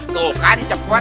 tuh kan cepet